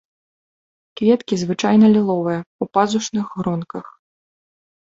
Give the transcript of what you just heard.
Кветкі звычайна ліловыя, у пазушных гронках.